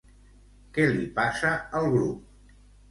Què li passa al grup?